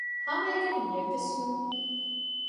ހަމައެކަނި މިއެއްވެސް ނޫން